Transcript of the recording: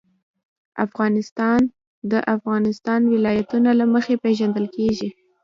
افغانستان د د افغانستان ولايتونه له مخې پېژندل کېږي.